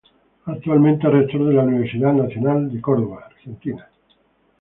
Actualmente es Rector de la Universidad Nacional de Córdoba.